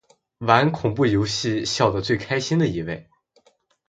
玩恐怖游戏笑得最开心的一位